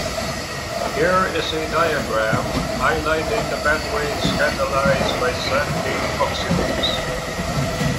Here is a diagram highlighting the pathways catalyzed by xanthine oxidase.